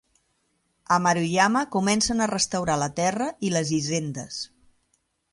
A Maruyama, comencen a restaurar la terra i les hisendes.